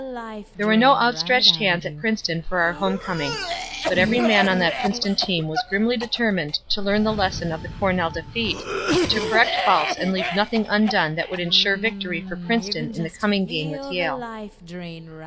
There were no outstretched hands at Princeton for our homecoming. But every man on that Princeton team was grimly determined to learn the lesson of the Cornell defeat, to correct faults and leave nothing undone that would insure victory for Princeton in the coming game with Yale.